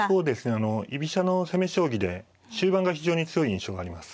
あの居飛車の攻め将棋で終盤が非常に強い印象があります。